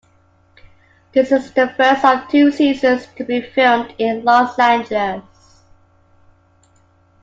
This is the first of two seasons to be filmed in Los Angeles.